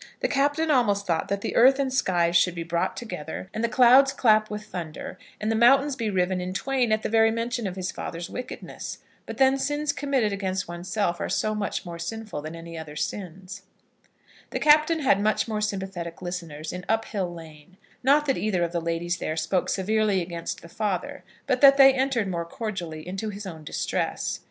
The Captain almost thought that the earth and skies should be brought together, and the clouds clap with thunder, and the mountains be riven in twain at the very mention of his father's wickedness. But then sins committed against oneself are so much more sinful than any other sins. The Captain had much more sympathetic listeners in Uphill Lane; not that either of the ladies there spoke severely against his father, but that they entered more cordially into his own distresses.